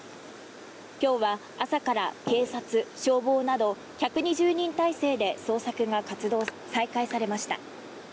今日は朝から警察、消防など１２０人態勢で捜索が再開されました。